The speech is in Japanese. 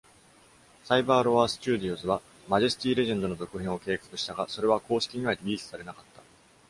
Cyberlore Studios はマジェスティレジェンドの続編を計画したが、それは公式にはリリースされなかった。